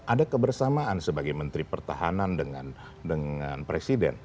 ada kebersamaan sebagai menteri pertahanan dengan presiden